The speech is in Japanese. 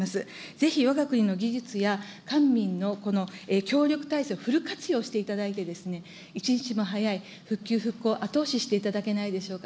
ぜひわが国の技術や官民のこの協力体制をフル活用していただいて、一日も早い復旧・復興、後押ししていただけないでしょうか。